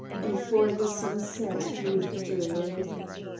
Before the sun set he withdrew.